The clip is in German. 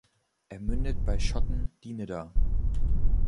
Er mündet bei Schotten die "Nidda".